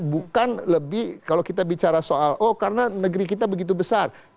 bukan lebih kalau kita bicara soal oh karena negeri kita begitu besar